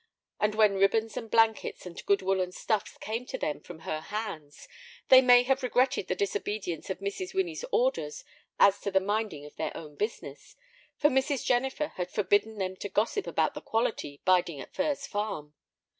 And when ribbons and blankets and good woollen stuffs came to them from her hands, they may have regretted the disobedience of Mrs. Winnie's orders as to the minding of their own business, for Mrs. Jennifer had forbidden them to gossip about the "quality biding at Furze Farm."